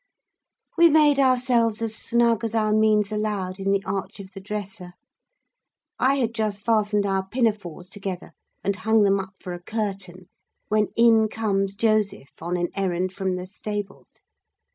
We made ourselves as snug as our means allowed in the arch of the dresser. I had just fastened our pinafores together, and hung them up for a curtain, when in comes Joseph, on an errand from the stables.